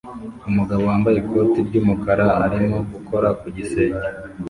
Umugabo wambaye ikoti ry'umukara arimo gukora ku gisenge